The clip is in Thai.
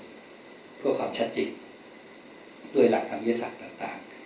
เพื่อกว่าความชัดจิตด้วยหลักลังเวียดศักดิ์ต่าง